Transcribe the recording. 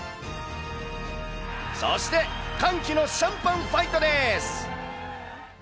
そして、歓喜のシャンパンファイトです。